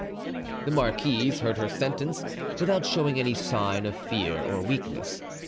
The marquise heard her sentence without showing any sign of fear or weakness.